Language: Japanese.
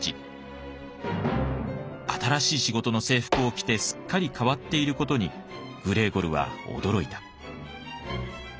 新しい仕事の制服を着てすっかり変わっている事にグレーゴルは驚いた。